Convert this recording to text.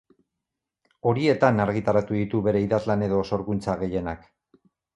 Horietan argitaratu ditu bere idazlan edo sorkuntza gehienak.